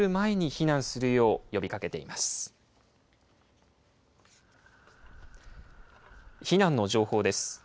避難の情報です。